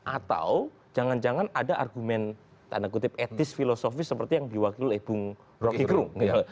atau jangan jangan ada argumen etis filosofis seperti yang diwakil ibu rokikrung